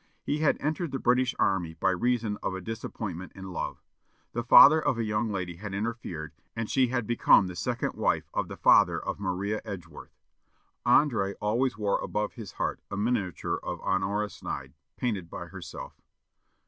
He had entered the British army by reason of a disappointment in love. The father of the young lady had interfered, and she had become the second wife of the father of Maria Edgeworth. André always wore above his heart a miniature of Honora Sneyd, painted by herself.